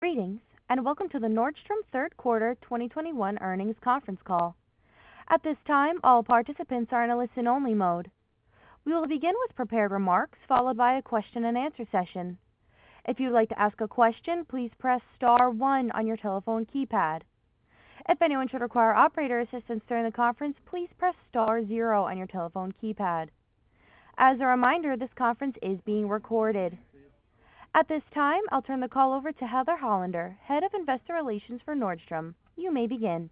Greetings, and welcome to the Nordstrom Q3 2021 earnings conference call. At this time, all participants are in a listen-only mode. We will begin with prepared remarks, followed by a question-and-answer session. If you'd like to ask a question, please press star one on your telephone keypad. If anyone should require operator assistance during the conference, please press star zero on your telephone keypad. As a reminder, this conference is being recorded. At this time, I'll turn the call over to Heather Hollander, Head of Investor Relations for Nordstrom. You may begin.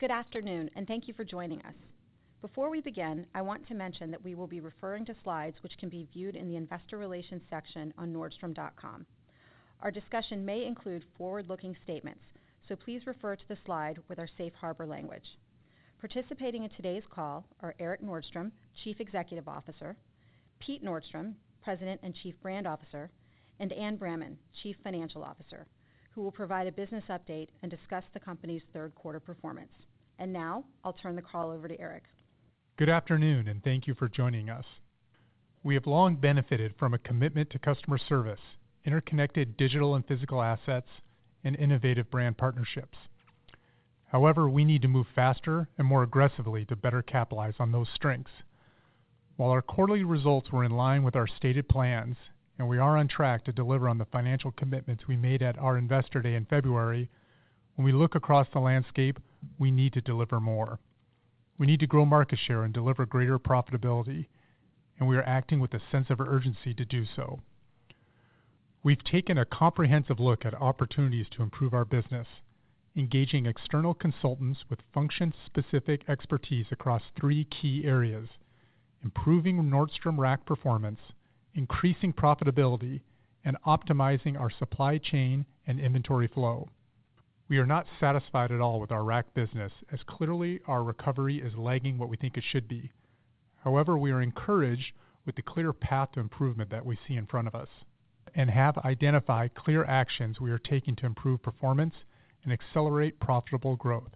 Good afternoon, and thank you for joining us. Before we begin, I want to mention that we will be referring to slides, which can be viewed in the investor relations section on nordstrom.com. Our discussion may include forward-looking statements, so please refer to the slide with our safe harbor language. Participating in today's call are Erik Nordstrom, Chief Executive Officer, Pete Nordstrom, President and Chief Brand Officer, and Anne Bramman, Chief Financial Officer, who will provide a business update and discuss the company's Q3 performance. Now I'll turn the call over to Erik. Good afternoon, and thank you for joining us. We have long benefited from a commitment to customer service, interconnected digital and physical assets, and innovative brand partnerships. However, we need to move faster and more aggressively to better capitalize on those strengths. While our quarterly results were in line with our stated plans and we are on track to deliver on the financial commitments we made at our Investor Day in February, when we look across the landscape, we need to deliver more. We need to grow market share and deliver greater profitability, and we are acting with a sense of urgency to do so. We've taken a comprehensive look at opportunities to improve our business, engaging external consultants with function-specific expertise across three key areas, improving Nordstrom Rack performance, increasing profitability, and optimizing our supply chain and inventory flow. We are not satisfied at all with our Rack business, as clearly our recovery is lagging what we think it should be. However, we are encouraged with the clear path to improvement that we see in front of us and have identified clear actions we are taking to improve performance and accelerate profitable growth.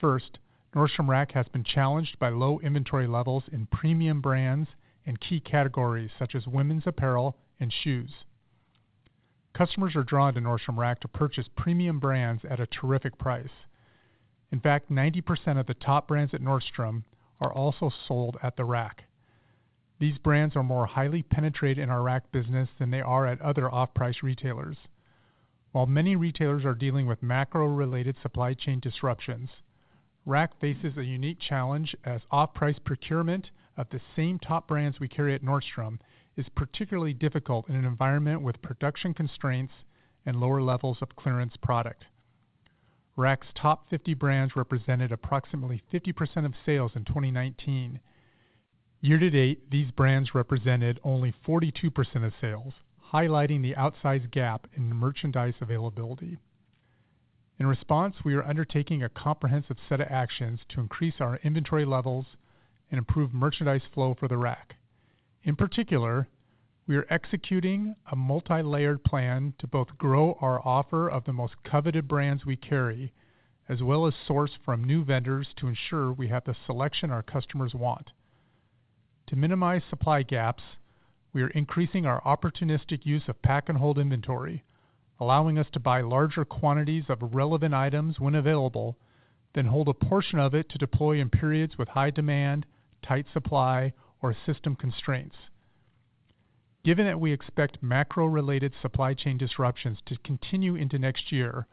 First, Nordstrom Rack has been challenged by low inventory levels in premium brands and key categories such as women's apparel and shoes. Customers are drawn to Nordstrom Rack to purchase premium brands at a terrific price. In fact, 90% of the top brands at Nordstrom are also sold at the Rack. These brands are more highly penetrated in our Rack business than they are at other off-price retailers. While many retailers are dealing with macro-related supply chain disruptions, Rack faces a unique challenge as off-price procurement of the same top brands we carry at Nordstrom is particularly difficult in an environment with production constraints and lower levels of clearance product. Rack's top 50 brands represented approximately 50% of sales in 2019. Year-to-date, these brands represented only 42% of sales, highlighting the outsized gap in merchandise availability. In response, we are undertaking a comprehensive set of actions to increase our inventory levels and improve merchandise flow for the Rack. In particular, we are executing a multi-layered plan to both grow our offer of the most coveted brands we carry, as well as source from new vendors to ensure we have the selection our customers want. To minimize supply gaps, we are increasing our opportunistic use of pack and hold inventory, allowing us to buy larger quantities of relevant items when available, then hold a portion of it to deploy in periods with high demand, tight supply, or system constraints. Given that we expect macro-related supply chain disruptions to continue into next year,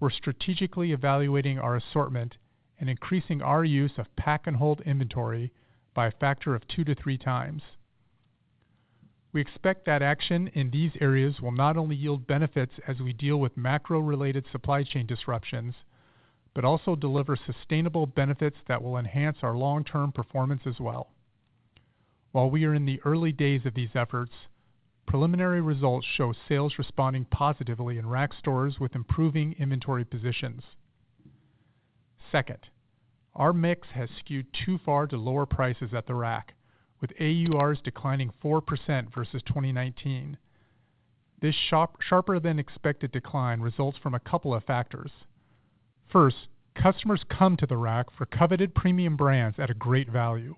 we're strategically evaluating our assortment and increasing our use of pack and hold inventory by a factor of 2x to 3 x. We expect that action in these areas will not only yield benefits as we deal with macro-related supply chain disruptions, but also deliver sustainable benefits that will enhance our long-term performance as well. While we are in the early days of these efforts, preliminary results show sales responding positively in Rack stores with improving inventory positions. Second, our mix has skewed too far to lower prices at the Rack, with AURs declining 4% versus 2019. This sharper-than-expected decline results from a couple of factors. First, customers come to the Rack for coveted premium brands at a great value.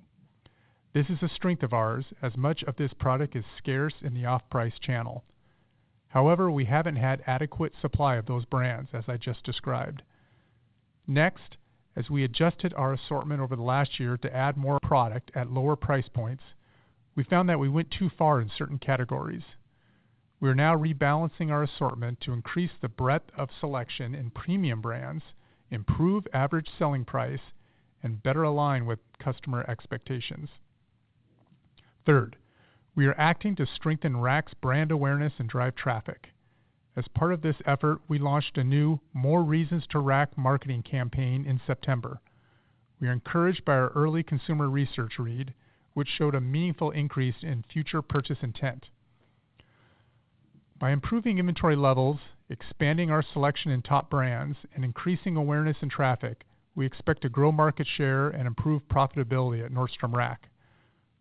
This is a strength of ours as much of this product is scarce in the off-price channel. However, we haven't had adequate supply of those brands, as I just described. Next, as we adjusted our assortment over the last year to add more product at lower price points, we found that we went too far in certain categories. We are now rebalancing our assortment to increase the breadth of selection in premium brands, improve average selling price, and better align with customer expectations. Third, we are acting to strengthen Rack's brand awareness and drive traffic. As part of this effort, we launched a new More Reasons to Rack marketing campaign in September. We are encouraged by our early consumer research read, which showed a meaningful increase in future purchase intent. By improving inventory levels, expanding our selection in top brands, and increasing awareness and traffic, we expect to grow market share and improve profitability at Nordstrom Rack.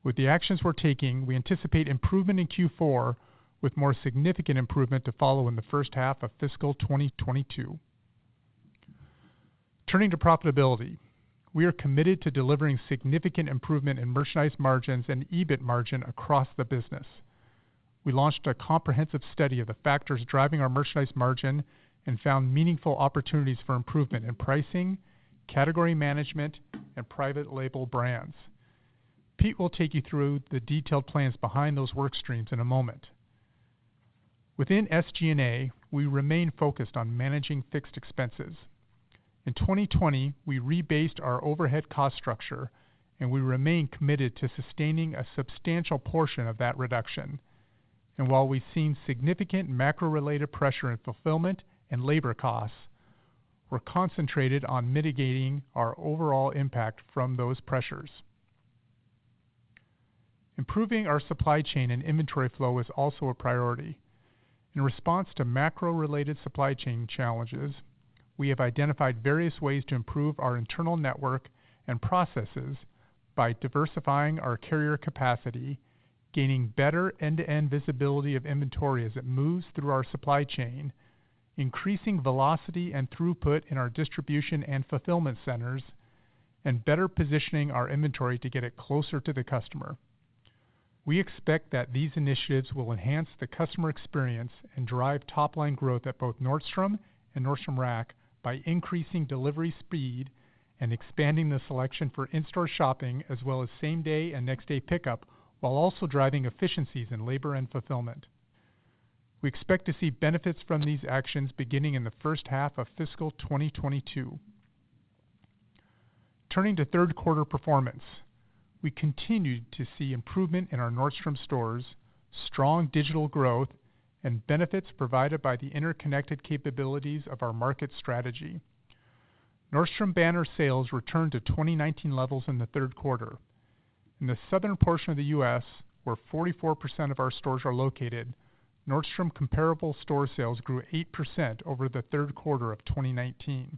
With the actions we're taking, we anticipate improvement in Q4 with more significant improvement to follow in the first half of fiscal 2022. Turning to profitability, we are committed to delivering significant improvement in merchandise margins and EBIT margin across the business. We launched a comprehensive study of the factors driving our merchandise margin and found meaningful opportunities for improvement in pricing, category management, and private label brands. Pete will take you through the detailed plans behind those work streams in a moment. Within SG&A, we remain focused on managing fixed expenses. In 2020, we rebased our overhead cost structure, and we remain committed to sustaining a substantial portion of that reduction. While we've seen significant macro-related pressure in fulfillment and labor costs, we're concentrated on mitigating our overall impact from those pressures. Improving our supply chain and inventory flow is also a priority. In response to macro-related supply chain challenges, we have identified various ways to improve our internal network and processes by diversifying our carrier capacity, gaining better end-to-end visibility of inventory as it moves through our supply chain, increasing velocity and throughput in our distribution and fulfillment centers, and better positioning our inventory to get it closer to the customer. We expect that these initiatives will enhance the customer experience and drive top-line growth at both Nordstrom and Nordstrom Rack by increasing delivery speed and expanding the selection for in-store shopping as well as same-day and next-day pickup, while also driving efficiencies in labor and fulfillment. We expect to see benefits from these actions beginning in the H1 of fiscal 2022. Turning to Q3 performance, we continued to see improvement in our Nordstrom stores, strong digital growth, and benefits provided by the interconnected capabilities of our market strategy. Nordstrom banner sales returned to 2019 levels in the Q3. In the southern portion of the U.S., where 44% of our stores are located, Nordstrom comparable store sales grew 8% over the Q3 of 2019.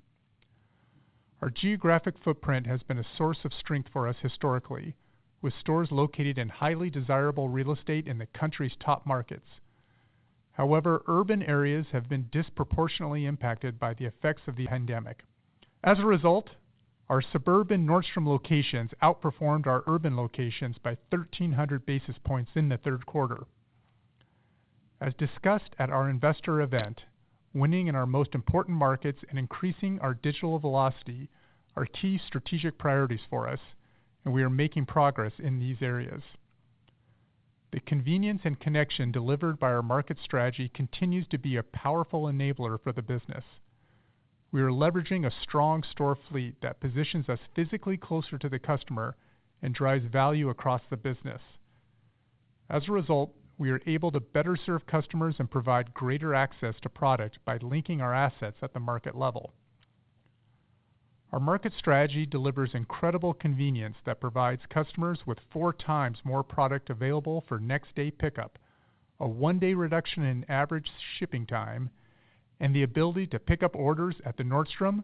Our geographic footprint has been a source of strength for us historically, with stores located in highly desirable real estate in the country's top markets. However, urban areas have been disproportionately impacted by the effects of the pandemic. As a result, our suburban Nordstrom locations outperformed our urban locations by 1,300 basis points in the Q3. As discussed at our investor event, winning in our most important markets and increasing our digital velocity are key strategic priorities for us, and we are making progress in these areas. The convenience and connection delivered by our market strategy continues to be a powerful enabler for the business. We are leveraging a strong store fleet that positions us physically closer to the customer and drives value across the business. As a result, we are able to better serve customers and provide greater access to product by linking our assets at the market level. Our market strategy delivers incredible convenience that provides customers with 4x more product available for next-day pickup, a one-day reduction in average shipping time, and the ability to pick up orders at the Nordstrom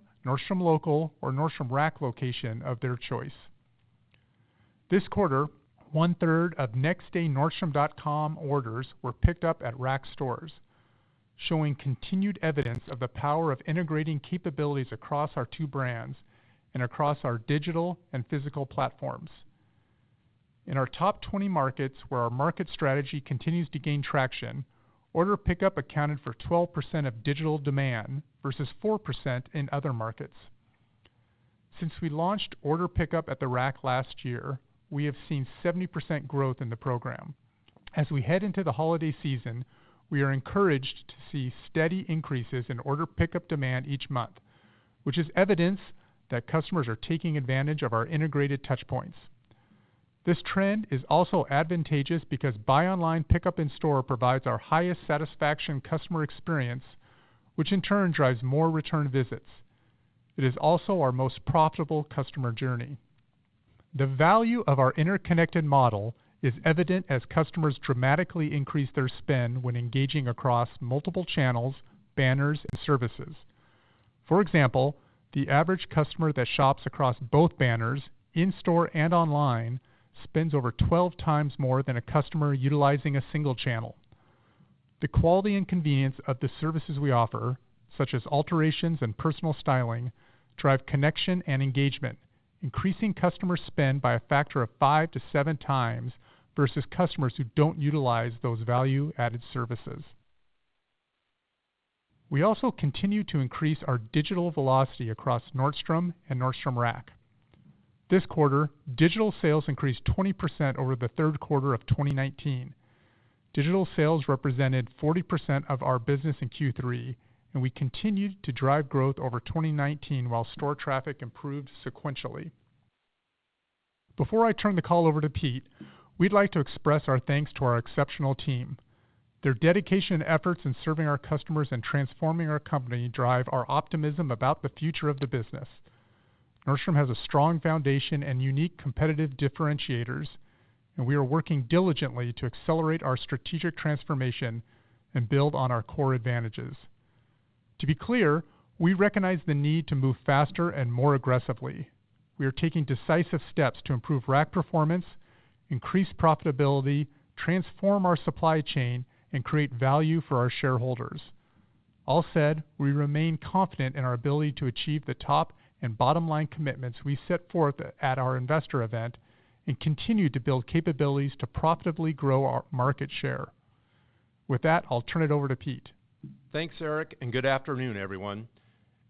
Local, or Nordstrom Rack location of their choice. This quarter, one-third of next-day nordstrom.com orders were picked up at Rack stores, showing continued evidence of the power of integrating capabilities across our two brands and across our digital and physical platforms. In our top 20 markets where our market strategy continues to gain traction, order pickup accounted for 12% of digital demand versus 4% in other markets. Since we launched order pickup at the Rack last year, we have seen 70% growth in the program. As we head into the holiday season, we are encouraged to see steady increases in order pickup demand each month, which is evidence that customers are taking advantage of our integrated touchpoints. This trend is also advantageous because buy online pickup in store provides our highest satisfaction customer experience, which in turn drives more return visits. It is also our most profitable customer journey. The value of our interconnected model is evident as customers dramatically increase their spend when engaging across multiple channels, banners, and services. For example, the average customer that shops across both banners in-store and online spends over 12x more than a customer utilizing a single channel. The quality and convenience of the services we offer, such as alterations and personal styling, drive connection and engagement, increasing customer spend by a factor of 5 to 7 times versus customers who don't utilize those value-added services. We also continue to increase our digital velocity across Nordstrom and Nordstrom Rack. This quarter, digital sales increased 20% over the Q3 of 2019. Digital sales represented 40% of our business in Q3, and we continued to drive growth over 2019 while store traffic improved sequentially. Before I turn the call over to Pete, we'd like to express our thanks to our exceptional team. Their dedication and efforts in serving our customers and transforming our company drive our optimism about the future of the business. Nordstrom has a strong foundation and unique competitive differentiators, and we are working diligently to accelerate our strategic transformation and build on our core advantages. To be clear, we recognize the need to move faster and more aggressively. We are taking decisive steps to improve Rack performance, increase profitability, transform our supply chain, and create value for our shareholders. All said, we remain confident in our ability to achieve the top and bottom-line commitments we set forth at our investor event and continue to build capabilities to profitably grow our market share. With that, I'll turn it over to Pete. Thanks, Erik, and good afternoon, everyone.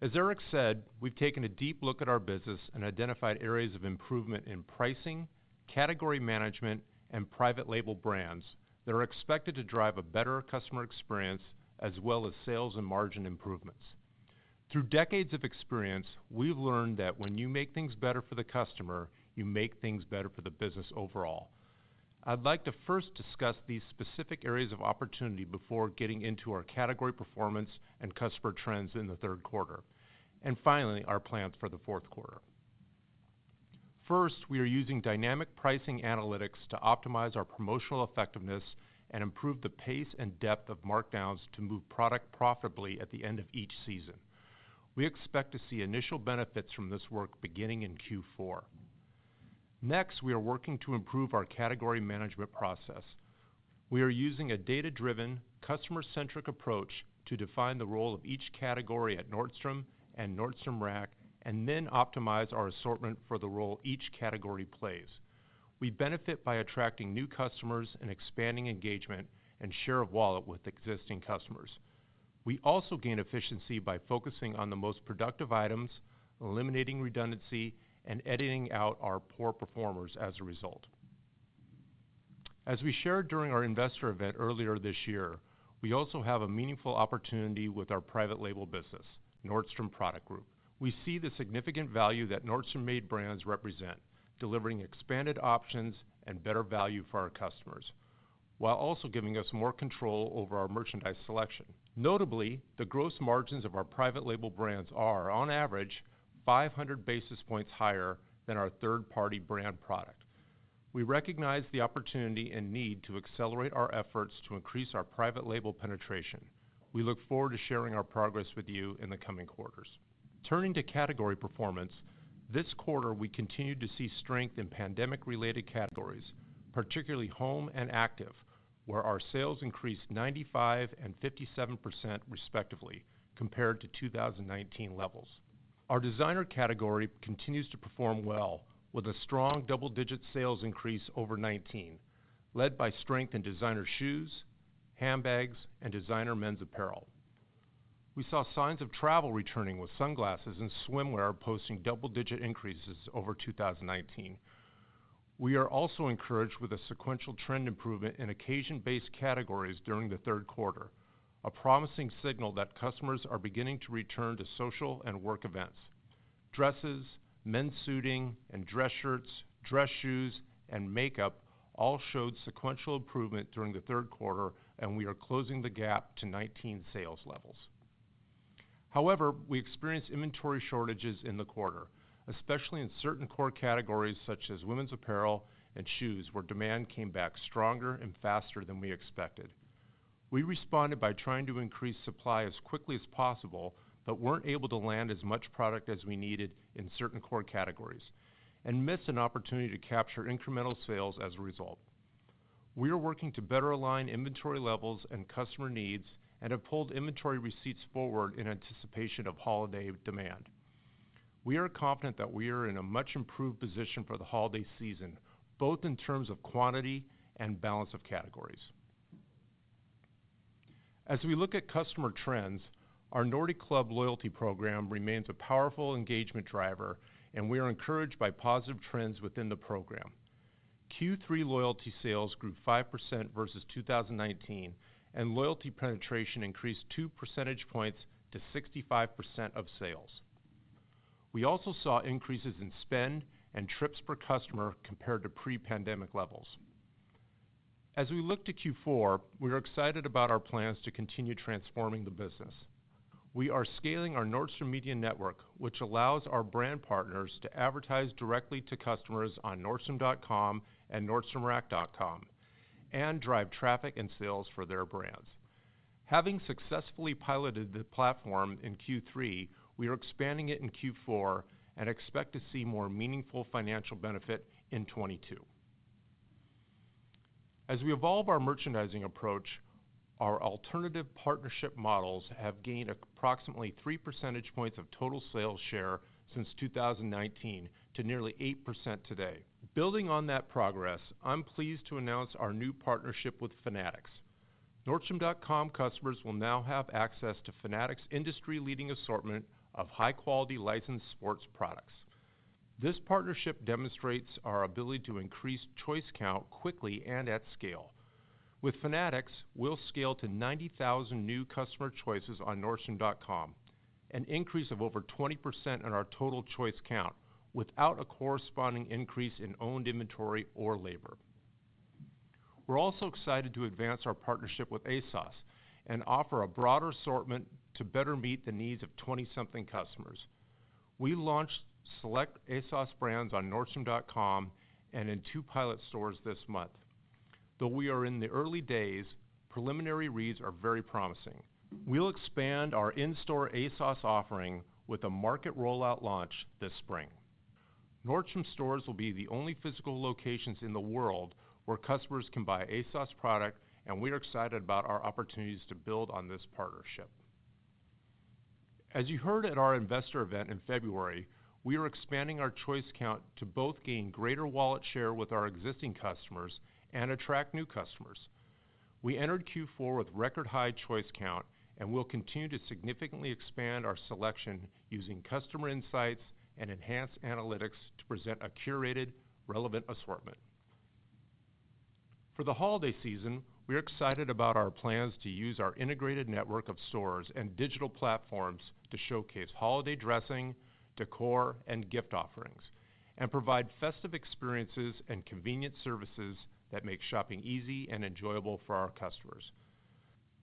As Erik said, we've taken a deep look at our business and identified areas of improvement in pricing, category management, and private label brands that are expected to drive a better customer experience as well as sales and margin improvements. Through decades of experience, we've learned that when you make things better for the customer, you make things better for the business overall. I'd like to first discuss these specific areas of opportunity before getting into our category performance and customer trends in the Q3, and finally, our plans for the Q4. First, we are using dynamic pricing analytics to optimize our promotional effectiveness and improve the pace and depth of markdowns to move product profitably at the end of each season. We expect to see initial benefits from this work beginning in Q4. Next, we are working to improve our category management process. We are using a data-driven, customer-centric approach to define the role of each category at Nordstrom and Nordstrom Rack, and then optimize our assortment for the role each category plays. We benefit by attracting new customers and expanding engagement and share of wallet with existing customers. We also gain efficiency by focusing on the most productive items, eliminating redundancy, and editing out our poor performers as a result. As we shared during our investor event earlier this year, we also have a meaningful opportunity with our private label business, Nordstrom Product Group. We see the significant value that Nordstrom-made brands represent, delivering expanded options and better value for our customers, while also giving us more control over our merchandise selection. Notably, the gross margins of our private label brands are, on average, 500 basis points higher than our third-party brand product. We recognize the opportunity and need to accelerate our efforts to increase our private label penetration. We look forward to sharing our progress with you in the coming quarters. Turning to category performance, this quarter, we continued to see strength in pandemic-related categories, particularly home and active, where our sales increased 95% and 57% respectively compared to 2019 levels. Our designer category continues to perform well with a strong double-digit sales increase over 2019, led by strength in designer shoes, handbags, and designer men's apparel. We saw signs of travel returning, with sunglasses and swimwear posting double-digit increases over 2019. We are also encouraged with a sequential trend improvement in occasion-based categories during the Q3, a promising signal that customers are beginning to return to social and work events. Dresses, men's suiting and dress shirts, dress shoes, and makeup all showed sequential improvement during the Q3, and we are closing the gap to 2019 sales levels. However, we experienced inventory shortages in the quarter, especially in certain core categories such as women's apparel and shoes, where demand came back stronger and faster than we expected. We responded by trying to increase supply as quickly as possible, but weren't able to land as much product as we needed in certain core categories and missed an opportunity to capture incremental sales as a result. We are working to better align inventory levels and customer needs and have pulled inventory receipts forward in anticipation of holiday demand. We are confident that we are in a much improved position for the holiday season, both in terms of quantity and balance of categories. As we look at customer trends, our Nordy Club loyalty program remains a powerful engagement driver, and we are encouraged by positive trends within the program. Q3 loyalty sales grew 5% versus 2019, and loyalty penetration increased 2 percentage points to 65% of sales. We also saw increases in spend and trips per customer compared to pre-pandemic levels. As we look to Q4, we are excited about our plans to continue transforming the business. We are scaling our Nordstrom Media Network, which allows our brand partners to advertise directly to customers on nordstrom.com and nordstromrack.com and drive traffic and sales for their brands. Having successfully piloted the platform in Q3, we are expanding it in Q4 and expect to see more meaningful financial benefit in 2022. As we evolve our merchandising approach, our alternative partnership models have gained approximately 3 percentage points of total sales share since 2019 to nearly 8% today. Building on that progress, I'm pleased to announce our new partnership with Fanatics. Nordstrom.com customers will now have access to Fanatics' industry-leading assortment of high-quality licensed sports products. This partnership demonstrates our ability to increase choice count quickly and at scale. With Fanatics, we'll scale to 90,000 new customer choices on nordstrom.com, an increase of over 20% on our total choice count without a corresponding increase in owned inventory or labor. We're also excited to advance our partnership with ASOS and offer a broader assortment to better meet the needs of 20-something customers. We launched select ASOS brands on nordstrom.com and in two pilot stores this month. Though we are in the early days, preliminary reads are very promising. We'll expand our in-store ASOS offering with a market rollout launch this spring. Nordstrom stores will be the only physical locations in the world where customers can buy ASOS product, and we are excited about our opportunities to build on this partnership. As you heard at our investor event in February, we are expanding our choice count to both gain greater wallet share with our existing customers and attract new customers. We entered Q4 with record high choice count, and we'll continue to significantly expand our selection using customer insights and enhanced analytics to present a curated relevant assortment. For the holiday season, we're excited about our plans to use our integrated network of stores and digital platforms to showcase holiday dressing, decor, and gift offerings, and provide festive experiences and convenient services that make shopping easy and enjoyable for our customers.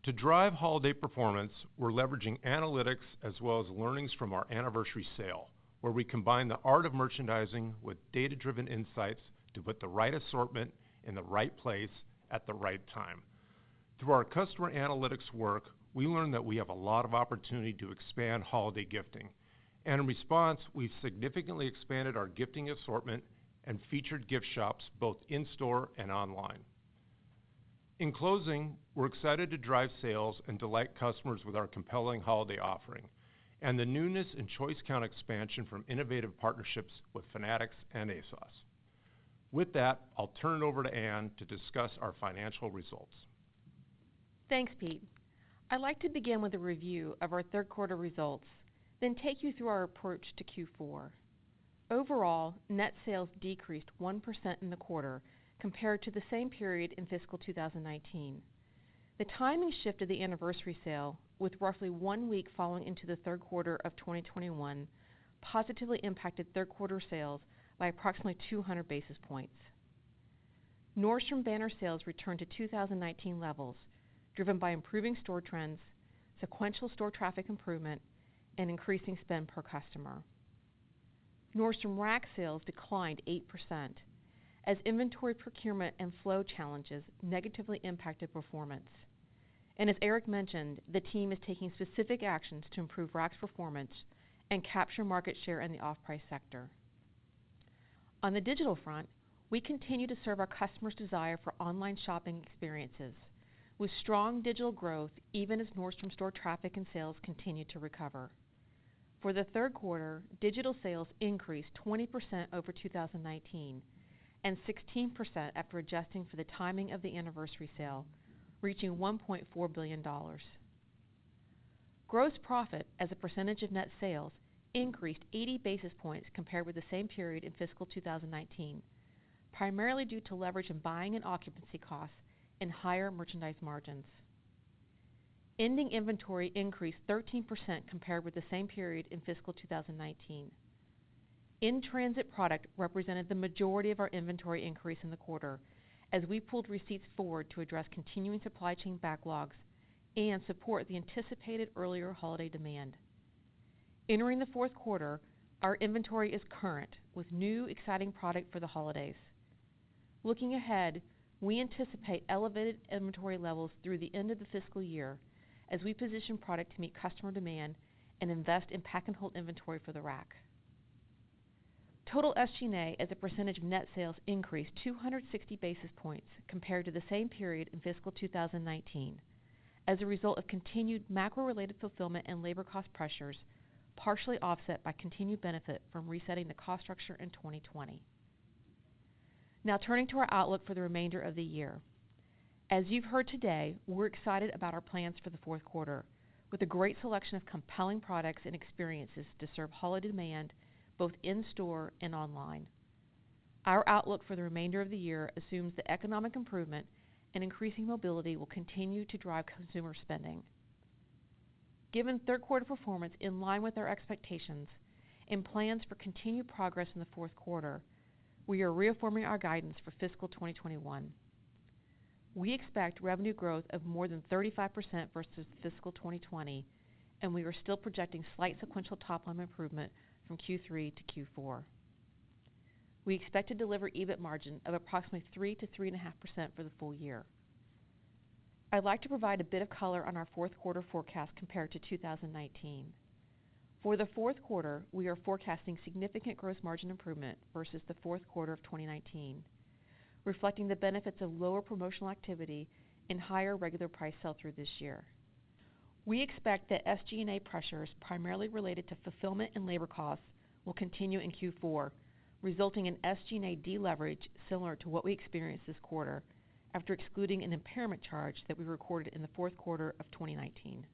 To drive holiday performance, we're leveraging analytics as well as learnings from our Anniversary Sale, where we combine the art of merchandising with data-driven insights to put the right assortment in the right place at the right time. Through our customer analytics work, we learned that we have a lot of opportunity to expand holiday gifting. In response, we've significantly expanded our gifting assortment and featured gift shops both in-store and online. In closing, we're excited to drive sales and delight customers with our compelling holiday offering and the newness and choice count expansion from innovative partnerships with Fanatics and ASOS. With that, I'll turn it over to Anne to discuss our financial results. Thanks, Pete. I'd like to begin with a review of our Q3 results, then take you through our approach to Q4. Overall, net sales decreased 1% in the quarter compared to the same period in fiscal 2019. The timing shift of the Anniversary Sale, with roughly one week falling into the Q3 of 2021, positively impacted Q3 sales by approximately 200 basis points. Nordstrom banner sales returned to 2019 levels, driven by improving store trends, sequential store traffic improvement, and increasing spend per customer. Nordstrom Rack sales declined 8% as inventory procurement and flow challenges negatively impacted performance. As Erik mentioned, the team is taking specific actions to improve Rack's performance and capture market share in the off-price sector. On the digital front, we continue to serve our customers' desire for online shopping experiences with strong digital growth, even as Nordstrom store traffic and sales continue to recover. For the Q3, digital sales increased 20% over 2019, and 16% after adjusting for the timing of the Anniversary Sale, reaching $1.4 billion. Gross profit as a percentage of net sales increased 80 basis points compared with the same period in fiscal 2019, primarily due to leverage in buying and occupancy costs and higher merchandise margins. Ending inventory increased 13% compared with the same period in fiscal 2019. In-transit product represented the majority of our inventory increase in the quarter as we pulled receipts forward to address continuing supply chain backlogs and support the anticipated earlier holiday demand. Entering the Q4, our inventory is current with new exciting product for the holidays. Looking ahead, we anticipate elevated inventory levels through the end of the fiscal year as we position product to meet customer demand and invest in pack and hold inventory for the Rack. Total SG&A as a percentage of net sales increased 260 basis points compared to the same period in fiscal 2019 as a result of continued macro-related fulfillment and labor cost pressures, partially offset by continued benefit from resetting the cost structure in 2020. Now turning to our outlook for the remainder of the year. As you've heard today, we're excited about our plans for the Q4 with a great selection of compelling products and experiences to serve holiday demand both in-store and online. Our outlook for the remainder of the year assumes that economic improvement and increasing mobility will continue to drive consumer spending. Given Q3 performance in line with our expectations and plans for continued progress in the Q4, we are reaffirming our guidance for fiscal 2021. We expect revenue growth of more than 35% versus fiscal 2020, and we are still projecting slight sequential top-line improvement from Q3 to Q4. We expect to deliver EBIT margin of approximately 3%-3.5% for the full year. I'd like to provide a bit of color on our Q4 forecast compared to 2019. For the Q4, we are forecasting significant gross margin improvement versus the Q4 of 2019, reflecting the benefits of lower promotional activity and higher regular price sell-through this year. We expect that SG&A pressures primarily related to fulfillment and labor costs will continue in Q4, resulting in SG&A deleverage similar to what we experienced this quarter after excluding an impairment charge that we recorded in the Q4 of 2019.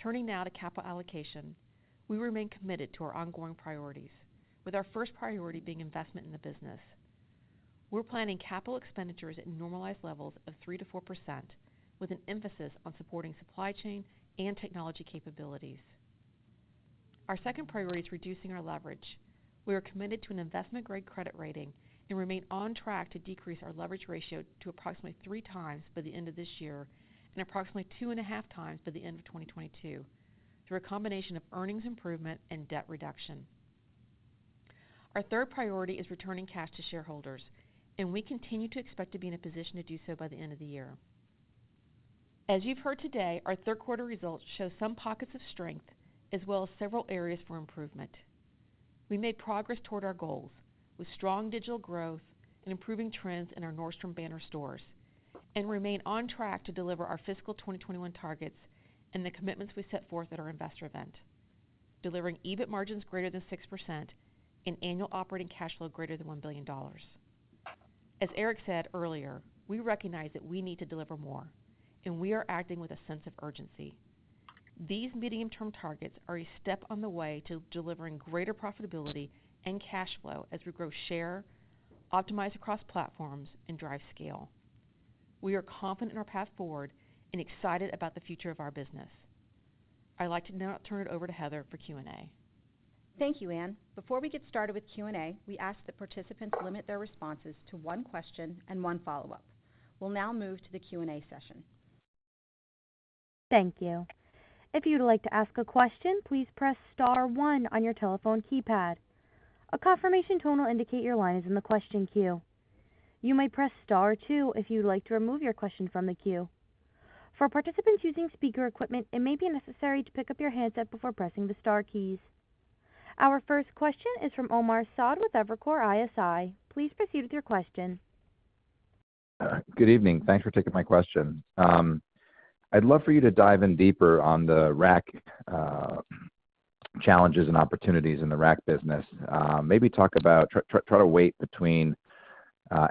Turning now to capital allocation. We remain committed to our ongoing priorities, with our first priority being investment in the business. We're planning capital expenditures at normalized levels of 3%-4%, with an emphasis on supporting supply chain and technology capabilities. Our second priority is reducing our leverage. We are committed to an investment-grade credit rating and remain on track to decrease our leverage ratio to approximately 3x by the end of this year and approximately 2.5x by the end of 2022 through a combination of earnings improvement and debt reduction. Our third priority is returning cash to shareholders, and we continue to expect to be in a position to do so by the end of the year. As you've heard today, our Q3 results show some pockets of strength as well as several areas for improvement. We made progress toward our goals with strong digital growth and improving trends in our Nordstrom banner stores and remain on track to deliver our fiscal 2021 targets and the commitments we set forth at our investor event, delivering EBIT margins greater than 6% and annual operating cash flow greater than $1 billion. As Erik said earlier, we recognize that we need to deliver more, and we are acting with a sense of urgency. These medium-term targets are a step on the way to delivering greater profitability and cash flow as we grow share, optimize across platforms, and drive scale. We are confident in our path forward and excited about the future of our business. I'd like to now turn it over to Heather for Q&A. Thank you, Anne. Before we get started with Q&A, we ask that participants limit their responses to one question and one follow-up. We'll now move to the Q&A session. Thank you. If you'd like to ask a question, please press star one on your telephone keypad. A confirmation tone will indicate your line is in the question queue. You may press star two if you'd like to remove your question from the queue. For participants using speaker equipment, it may be necessary to pick up your handset before pressing the star keys. Our first question is from Omar Saad with Evercore ISI. Please proceed with your question. Good evening. Thanks for taking my question. I'd love for you to dive in deeper on the Rack challenges and opportunities in the Rack business. Maybe try to weigh between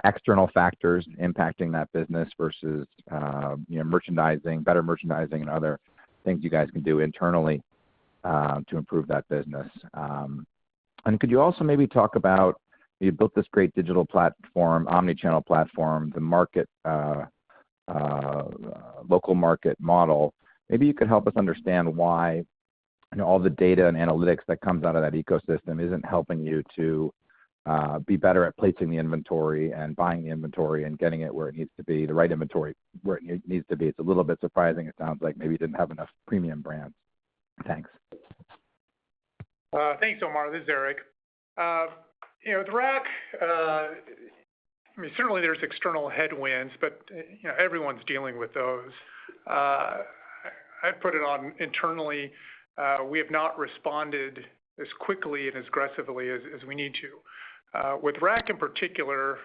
external factors impacting that business versus, you know, merchandising, better merchandising and other things you guys can do internally to improve that business. Could you also maybe talk about, you built this great digital platform, omni-channel platform, the local market model. Maybe you could help us understand why, you know, all the data and analytics that comes out of that ecosystem isn't helping you to be better at placing the inventory and buying the inventory and getting it where it needs to be, the right inventory, where it needs to be. It's a little bit surprising. It sounds like maybe you didn't have enough premium brands. Thanks. Thanks, Omar. This is Erik. You know, the Rack, I mean, certainly there's external headwinds, but, you know, everyone's dealing with those. I'd put it on internally, we have not responded as quickly and as aggressively as we need to. With Rack in particular,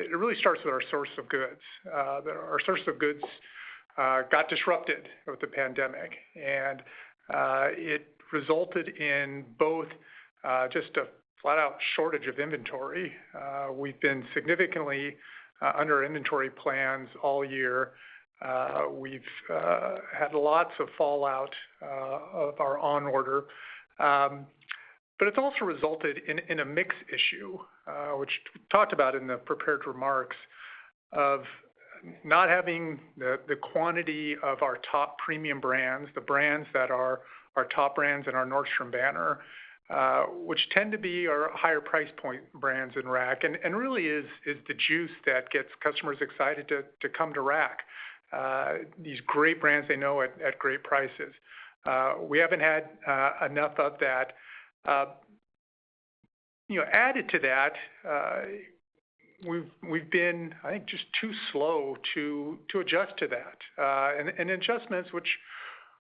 it really starts with our source of goods. Our source of goods got disrupted with the pandemic, and it resulted in both, just a flat-out shortage of inventory. We've been significantly under inventory plans all year. We've had lots of fallout of our on order. It's also resulted in a mix issue, which talked about in the prepared remarks of not having the quantity of our top premium brands, the brands that are our top brands in our Nordstrom banner, which tend to be our higher price point brands in Rack, and really is the juice that gets customers excited to come to Rack. These great brands they know at great prices. We haven't had enough of that. You know, added to that, we've been, I think, just too slow to adjust to that. Adjustments which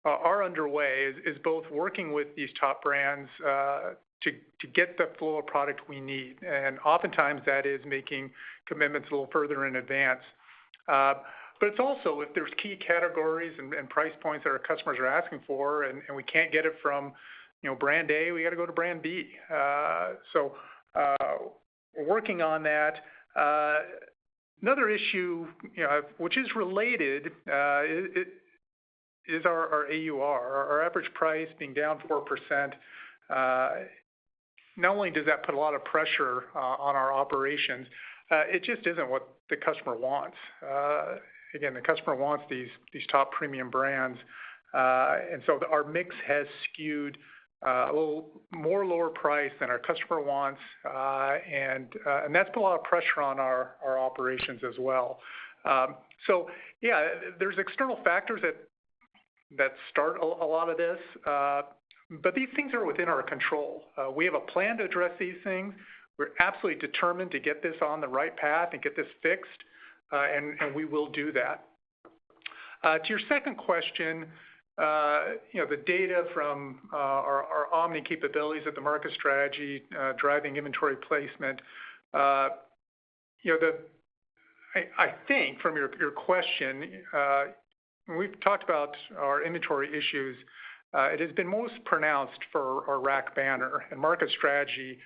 are underway is both working with these top brands to get the flow of product we need. Oftentimes that is making commitments a little further in advance. It's also if there's key categories and price points that our customers are asking for and we can't get it from, you know, brand A, we gotta go to brand B. We're working on that. Another issue which is related is our AUR, our average price being down 4%. Not only does that put a lot of pressure on our operations, it just isn't what the customer wants. Again, the customer wants these top premium brands. Our mix has skewed a little more lower price than our customer wants. That's put a lot of pressure on our operations as well. There's external factors that start a lot of this, but these things are within our control. We have a plan to address these things. We're absolutely determined to get this on the right path and get this fixed, and we will do that. To your second question, you know, the data from our omni capabilities and the market strategy driving inventory placement. You know, I think from your question, when we've talked about our inventory issues, it has been most pronounced for our Rack banner. Market strategy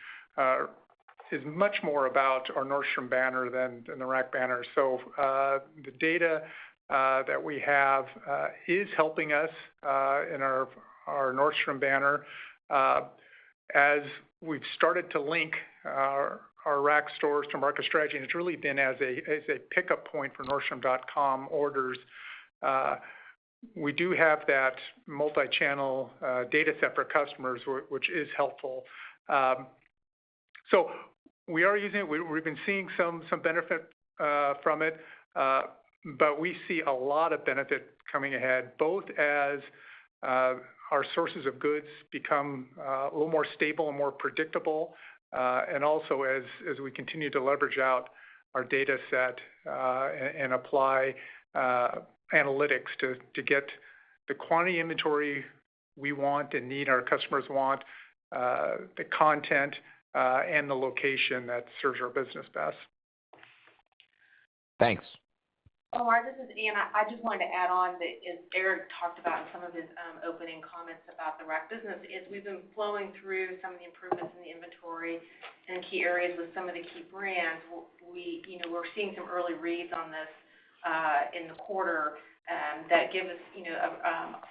is much more about our Nordstrom banner than the Rack banner. The data that we have is helping us in our Nordstrom banner. As we've started to link our Rack stores to market strategy, and it's really been as a pickup point for nordstrom.com orders. We do have that multi-channel data set for customers which is helpful. We are using it. We've been seeing some benefit from it but we see a lot of benefit coming ahead, both as our sources of goods become a little more stable and more predictable, and also as we continue to leverage out our data set and apply analytics to get the quantity inventory we want and need, our customers want, the content, and the location that serves our business best. Thanks. Mark Altschwager, this is Anne Bramman. I just wanted to add on that as Erik talked about in some of his opening comments about the Rack business, is we've been flowing through some of the improvements in the inventory in key areas with some of the key brands. We, you know, we're seeing some early reads on this in the quarter that give us, you know,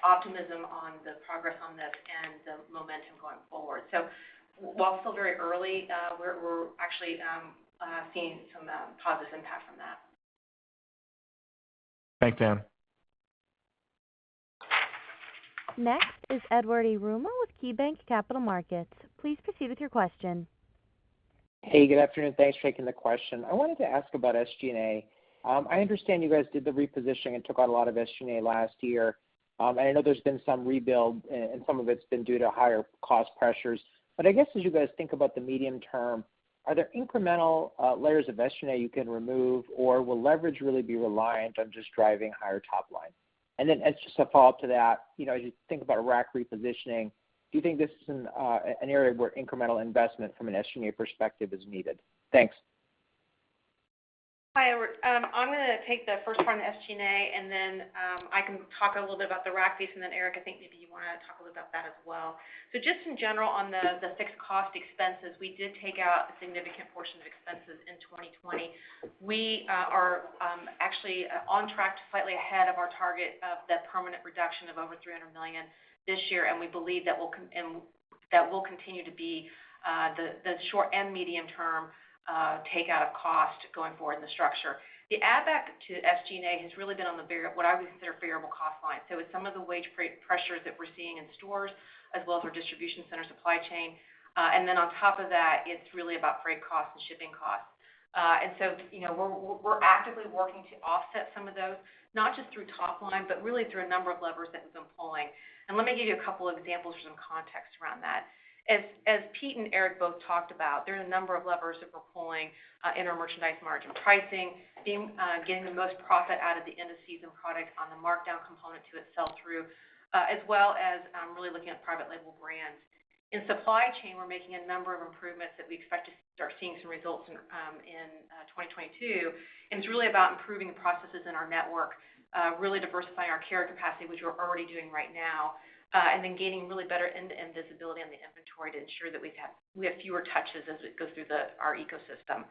optimism on the progress on this and the momentum going forward. While still very early, we're actually seeing some positive impact from that. Thanks, Anne Bramman. Next is Edward Yruma with KeyBanc Capital Markets. Please proceed with your question. Hey, good afternoon. Thanks for taking the question. I wanted to ask about SG&A. I understand you guys did the repositioning and took out a lot of SG&A last year. I know there's been some rebuild and some of it's been due to higher cost pressures. I guess, as you guys think about the medium term, are there incremental layers of SG&A you can remove, or will leverage really be reliant on just driving higher top line? As just a follow-up to that, you know, as you think about Rack repositioning, do you think this is an area where incremental investment from an SG&A perspective is needed? Thanks. Hi, Edward. I'm gonna take the first one on SG&A, and then, I can talk a little bit about the Rack piece, and then Erik, I think maybe you wanna talk a little about that as well. Just in general, on the fixed cost expenses, we did take out a significant portion of expenses in 2020. We are actually on track, slightly ahead of our target of the permanent reduction of over $300 million this year, and we believe that will continue to be the short and medium term take out of cost going forward in the structure. The add back to SG&A has really been on what I would consider variable cost line. With some of the wage pressures that we're seeing in stores as well as our distribution center supply chain and then on top of that, it's really about freight costs and shipping costs. You know, we're actively working to offset some of those, not just through top line, but really through a number of levers that we've been pulling. Let me give you a couple examples for some context around that. As Pete and Erik both talked about, there are a number of levers that we're pulling in our merchandise margin pricing, being getting the most profit out of the end of season product on the markdown component to its sell-through, as well as really looking at private label brands. In supply chain, we're making a number of improvements that we expect to start seeing some results in 2022. It's really about improving the processes in our network, really diversifying our carrier capacity, which we're already doing right now, and then gaining really better end-to-end visibility on the inventory to ensure that we have fewer touches as it goes through our ecosystem.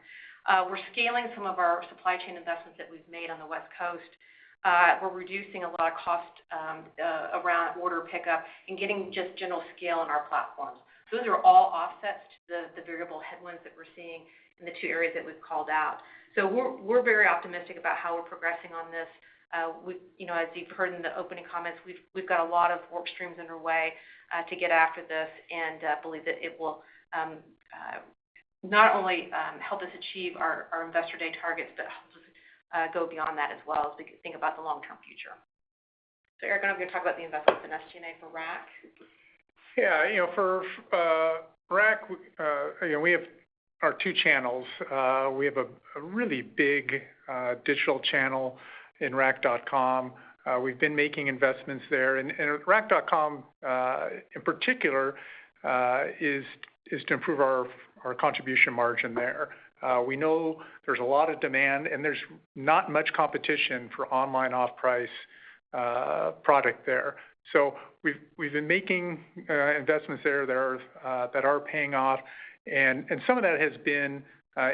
We're scaling some of our supply chain investments that we've made on the West Coast. We're reducing a lot of cost around order pickup and getting just general scale on our platforms. Those are all offsets to the variable headwinds that we're seeing in the two areas that we've called out. We're very optimistic about how we're progressing on this. You know, as you've heard in the opening comments, we've got a lot of work streams underway to get after this and believe that it will not only help us achieve our Investor Day targets, but help us go beyond that as well as we think about the long-term future. Erik, I don't know if you want to talk about the investments in SG&A for Rack. Yeah. You know, for Rack, you know, we have our two channels. We have a really big digital channel in rack.com. We've been making investments there. rack.com in particular is to improve our contribution margin there. We know there's a lot of demand, and there's not much competition for online off-price product there. We've been making investments there that are paying off. Some of that has been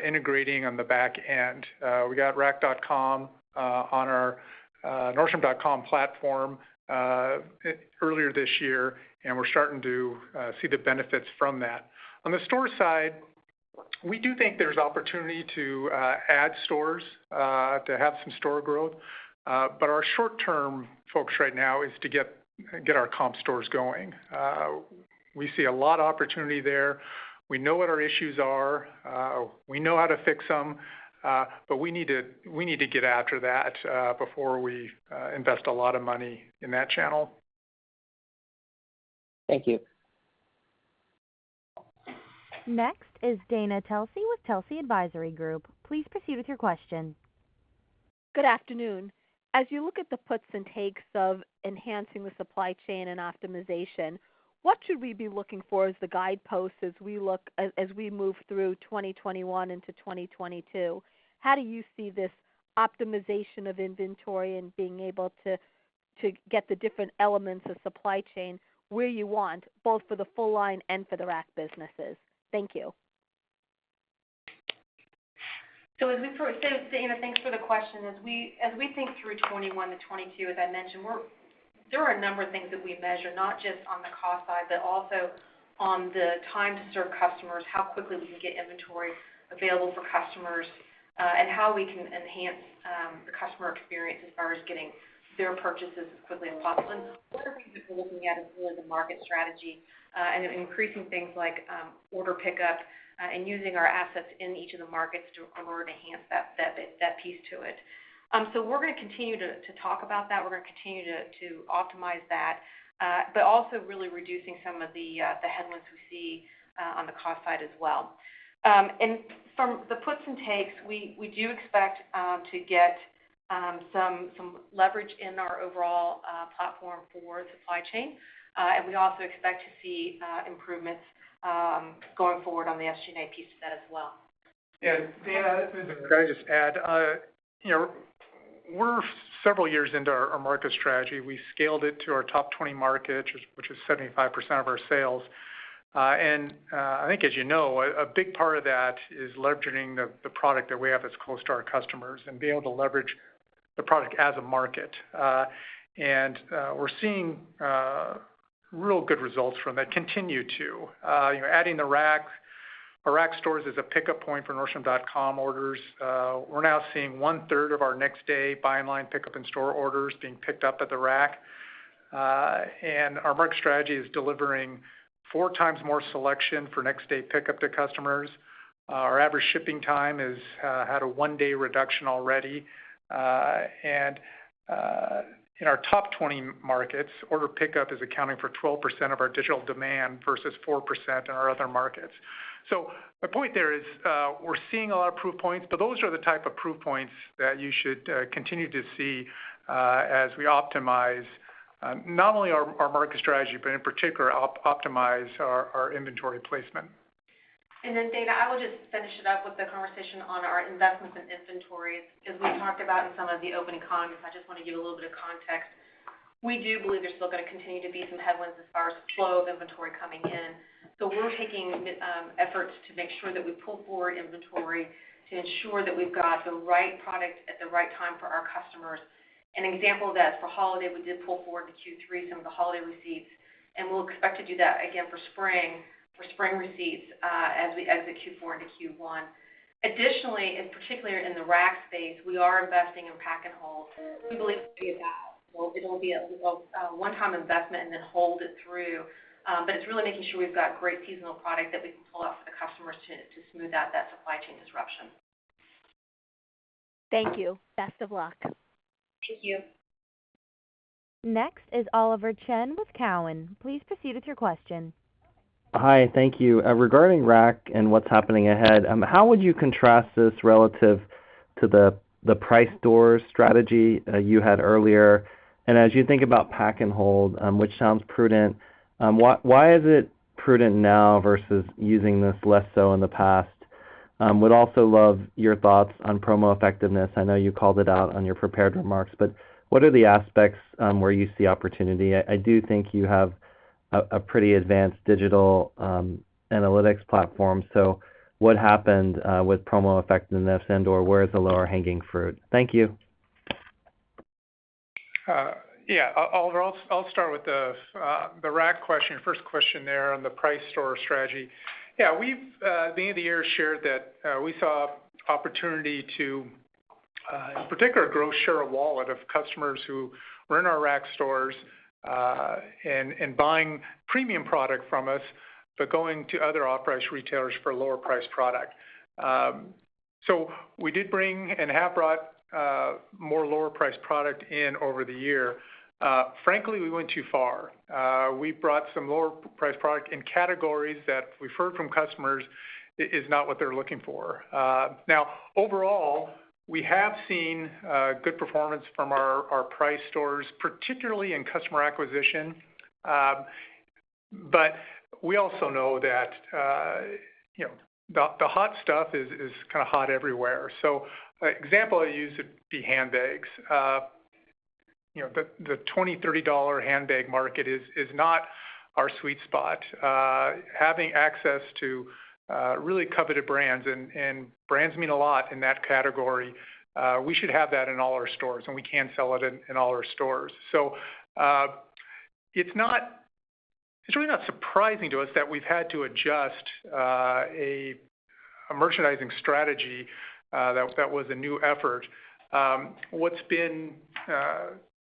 integrating on the back end. We got rack.com on our nordstrom.com platform earlier this year, and we're starting to see the benefits from that. On the store side, we do think there's opportunity to add stores to have some store growth. Our short-term focus right now is to get our comp stores going. We see a lot of opportunity there. We know what our issues are. We know how to fix them. We need to get after that before we invest a lot of money in that channel. Thank you. Next is Dana Telsey with Telsey Advisory Group. Please proceed with your question. Good afternoon. As you look at the puts and takes of enhancing the supply chain and optimization, what should we be looking for as the guideposts as we move through 2021 into 2022? How do you see this optimization of inventory and being able to get the different elements of supply chain where you want, both for the full line and for the Rack businesses? Thank you. Dana, thanks for the question. As we think through 2021 to 2022, as I mentioned, we're there are a number of things that we measure, not just on the cost side, but also on the time to serve customers, how quickly we can get inventory available for customers, and how we can enhance the customer experience as far as getting their purchases as quickly as possible. One of the things that we're looking at is really the market strategy and increasing things like order pickup and using our assets in each of the markets to enhance that bit, that piece to it. We're gonna continue to talk about that. We're gonna continue to optimize that, but also really reducing some of the headwinds we see on the cost side as well. From the puts and takes, we do expect to get some leverage in our overall platform for supply chain. We also expect to see improvements going forward on the SG&A piece of that as well. Yeah, Dana. Can I just add, you know, we're several years into our market strategy. We scaled it to our top 20 markets, which is 75% of our sales. I think as you know, a big part of that is leveraging the product that we have that's close to our customers and being able to leverage the product as a market. We're seeing real good results from that, continue to. You know, adding The Rack. The Rack stores is a pickup point for nordstrom.com orders. We're now seeing one-third of our next day buy online pickup in store orders being picked up at The Rack. Our market strategy is delivering 4x more selection for next day pickup to customers. Our average shipping time had a one day reduction already. In our top 20 markets, order pickup is accounting for 12% of our digital demand versus 4% in our other markets. The point there is, we're seeing a lot of proof points, but those are the type of proof points that you should continue to see as we optimize not only our market strategy, but in particular, optimize our inventory placement. Dana, I will just finish it up with the conversation on our investments in inventories. As we talked about in some of the opening comments, I just want to give a little bit of context. We do believe there's still gonna continue to be some headwinds as far as flow of inventory coming in. We're taking efforts to make sure that we pull forward inventory to ensure that we've got the right product at the right time for our customers. An example of that, for holiday, we did pull forward to Q3 some of the holiday receipts, and we'll expect to do that again for spring receipts, as the Q4 into Q1. Additionally, and particularly in the Rack space, we are investing in pack and hold. We believe that it will be a one-time investment and then hold it through. It's really making sure we've got great seasonal product that we can pull out for the customers to smooth out that supply chain disruption. Thank you. Best of luck. Thank you. Next is Oliver Chen with Cowen. Please proceed with your question. Hi. Thank you. Regarding Rack and what's happening ahead, how would you contrast this relative to the price store strategy you had earlier? As you think about pack and hold, which sounds prudent, why is it prudent now versus using this less so in the past? Would also love your thoughts on promo effectiveness. I know you called it out on your prepared remarks, but what are the aspects where you see opportunity? I do think you have a pretty advanced digital analytics platform. So what happened with promo effectiveness and/or where is the lower hanging fruit? Thank you. Yeah. Oliver, I'll start with the Rack question, first question there on the price store strategy. Yeah. We've at the end of the year shared that we saw opportunity to in particular grow share of wallet of customers who were in our Rack stores and buying premium product from us, but going to other off-price retailers for lower priced product. We did bring and have brought more lower priced product in over the year. Frankly, we went too far. We brought some lower priced product in categories that we've heard from customers is not what they're looking for. Now overall, we have seen good performance from our Rack stores, particularly in customer acquisition but we also know that you know, the hot stuff is kind of hot everywhere. An example I use would be handbags. You know, the $20-$30 handbag market is not our sweet spot. Having access to really coveted brands and brands mean a lot in that category, we should have that in all our stores, and we can sell it in all our stores. It's really not surprising to us that we've had to adjust a merchandising strategy that was a new effort. What's been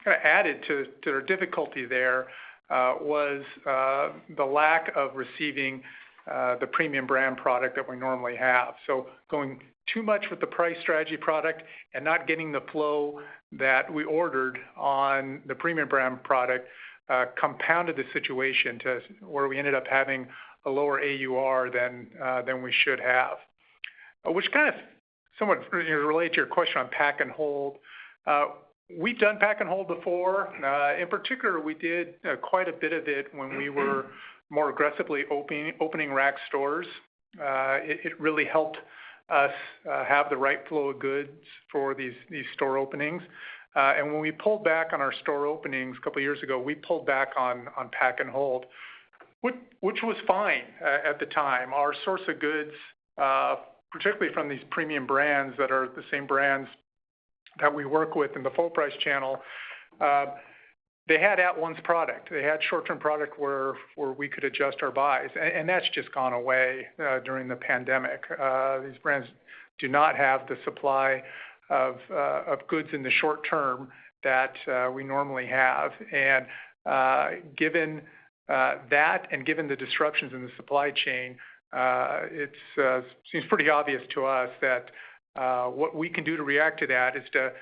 kinda added to the difficulty there was the lack of receiving the premium brand product that we normally have. Going too much with the price store strategy and not getting the flow that we ordered on the premium brand product compounded the situation to where we ended up having a lower AUR than we should have. Which kind of somewhat relates to your question on pack and hold. We've done pack and hold before. In particular, we did quite a bit of it when we were more aggressively opening Rack stores. It really helped us have the right flow of goods for these store openings. When we pulled back on our store openings a couple years ago, we pulled back on pack and hold which was fine at the time. Our source of goods, particularly from these premium brands that are the same brands that we work with in the full price channel, they had at-once product. They had short-term product where we could adjust our buys. That's just gone away during the pandemic. These brands do not have the supply of goods in the short term that we normally have. Given that and given the disruptions in the supply chain, it seems pretty obvious to us that what we can do to react to that is to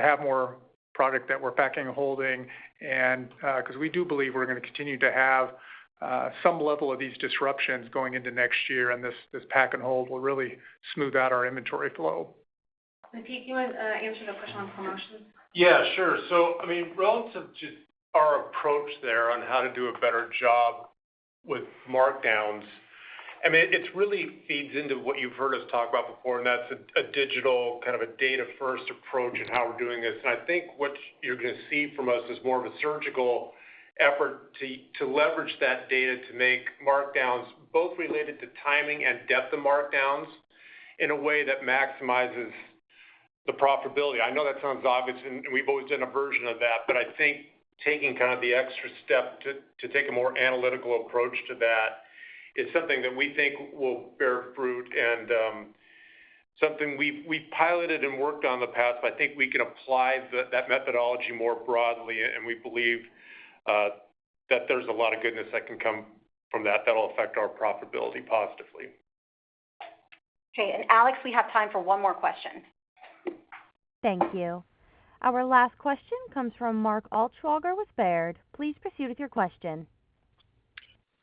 have more product that we're packing and holding and 'cause we do believe we're gonna continue to have some level of these disruptions going into next year, and this pack and hold will really smooth out our inventory flow. Pete, do you wanna answer the question on promotions? Yeah, sure. I mean, relative to our approach there on how to do a better job with markdowns, I mean, it really feeds into what you've heard us talk about before, and that's a digital kind of a data first approach in how we're doing this. I think what you're gonna see from us is more of a surgical effort to leverage that data to make markdowns both related to timing and depth of markdowns in a way that maximizes the profitability. I know that sounds obvious, and we've always done a version of that, but I think taking kind of the extra step to take a more analytical approach to that is something that we think will bear fruit and something we've piloted and worked in the past, but I think we can apply that methodology more broadly, and we believe that there's a lot of goodness that can come from that that'll affect our profitability positively. Okay, Alex, we have time for one more question. Thank you. Our last question comes from Mark Altschwager with Baird. Please proceed with your question.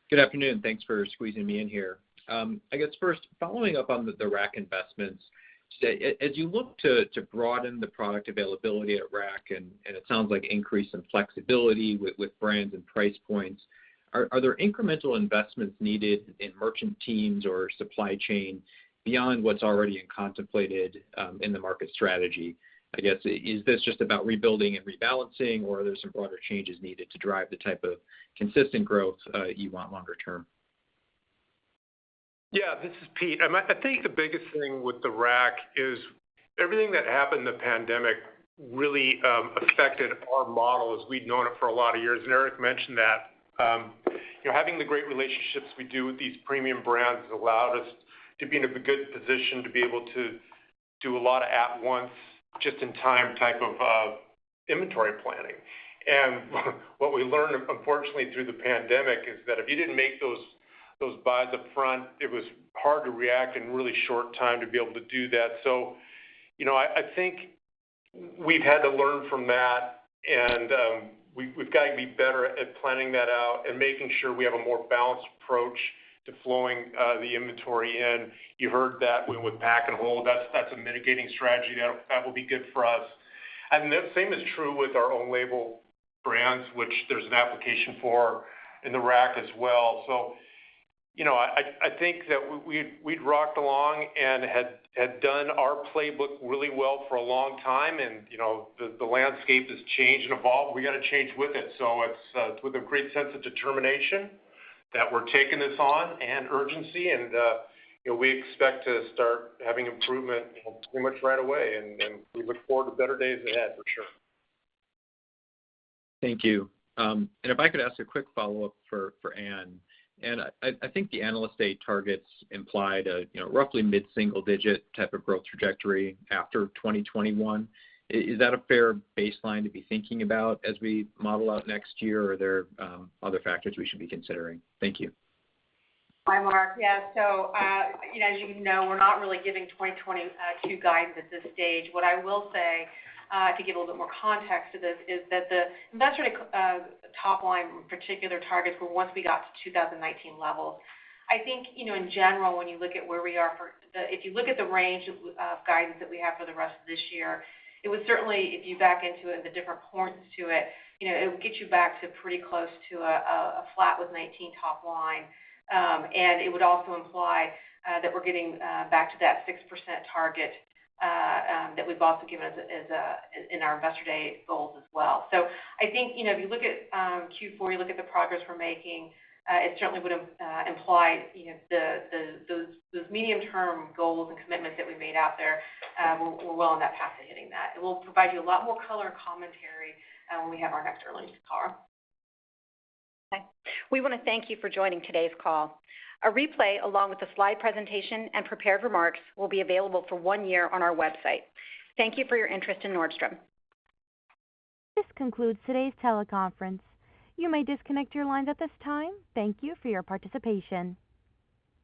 Good afternoon. Thanks for squeezing me in here. I guess first, following up on the Rack investments, as you look to broaden the product availability at Rack, and it sounds like an increase in flexibility with brands and price points, are there incremental investments needed in merchant teams or supply chain beyond what's already contemplated in the market strategy? I guess, is this just about rebuilding and rebalancing, or are there some broader changes needed to drive the type of consistent growth you want longer term? Yeah, this is Pete. I think the biggest thing with the Rack is everything that happened in the pandemic really affected our model as we'd known it for a lot of years. Erik mentioned that. You know, having the great relationships we do with these premium brands allowed us to be in a good position to be able to do a lot of at once, just in time type of inventory planning. What we learned unfortunately through the pandemic is that if you didn't make those buys up front, it was hard to react in a really short time to be able to do that. You know, I think we've had to learn from that and we've got to be better at planning that out and making sure we have a more balanced approach to flowing the inventory in. You heard that with pack and hold. That's a mitigating strategy that will be good for us. The same is true with our own label brands, which there's an application for in the Rack as well. You know, I think that we'd rocked along and had done our playbook really well for a long time and you know the landscape has changed and evolved. We gotta change with it. It's with a great sense of determination that we're taking this on and urgency and, you know, we expect to start having improvement, you know, pretty much right away, and we look forward to better days ahead for sure. Thank you. If I could ask a quick follow-up for Anne. Anne, I think the Investor Day targets implied a, you know, roughly mid-single digit type of growth trajectory after 2021. Is that a fair baseline to be thinking about as we model out next year, or are there other factors we should be considering? Thank you. Hi, Mark. Yeah. You know, as you know, we're not really giving 2022 guidance at this stage. What I will say to give a little bit more context to this is that that sort of top line particular targets were once we got to 2019 levels. I think, you know, in general, when you look at where we are, if you look at the range of guidance that we have for the rest of this year, it would certainly, if you back into it, the different points to it, you know, it would get you back to pretty close to a flat with 2019 top line. It would also imply that we're getting back to that 6% target that we've also given in our Investor Day goals as well. I think, you know, if you look at Q4, you look at the progress we're making, it certainly would imply, you know, those medium-term goals and commitments that we made out there, we're well on that path to hitting that. It will provide you a lot more color and commentary when we have our next earnings call. Okay. We wanna thank you for joining today's call. A replay along with the slide presentation and prepared remarks will be available for one year on our website. Thank you for your interest in Nordstrom. This concludes today's teleconference. You may disconnect your lines at this time. Thank you for your participation.